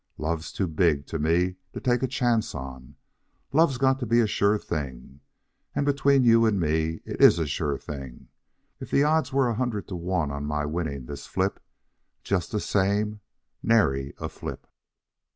Love's too big to me to take a chance on. Love's got to be a sure thing, and between you and me it is a sure thing. If the odds was a hundred to one on my winning this flip, just the same, nary a flip."